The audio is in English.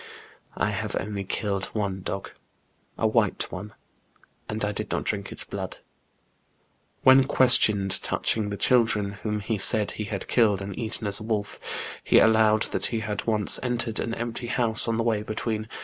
I have only killed one dog, a white one, and I did not drink its blood.'* When questioned touching the children, whom he said he had killed and eaten as a wolf, he allowed that he had once entered an empty house on the way between S.